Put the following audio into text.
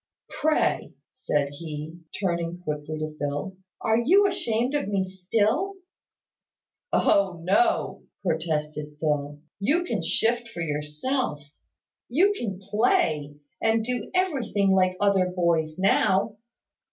Pray," said he, turning quickly to Phil, "are you ashamed of me still?" "Oh, no," protested Phil. "You can shift for yourself, you can play, and do everything like other boys, now.